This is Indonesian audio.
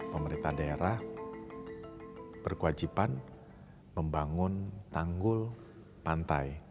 pemerintah daerah berkewajiban membangun tanggul pantai